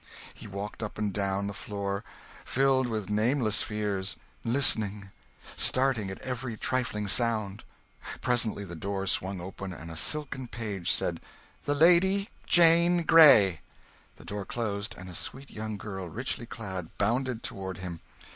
He walked up and down the floor, filled with nameless fears, listening, starting at every trifling sound. Presently the door swung open, and a silken page said "The Lady Jane Grey." The door closed and a sweet young girl, richly clad, bounded toward him.